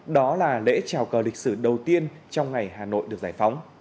đó là lễ trào cờ lịch sử đầu tiên trong ngày hà nội được giải phóng